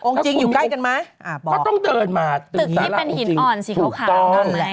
องค์จริงอยู่ใกล้กันไหมอ่าบอกต้องเดินมาตึกที่เป็นหินอ่อนสีเขาขาว